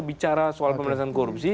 bicara soal pemerintahan korupsi